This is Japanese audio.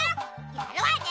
やるわね！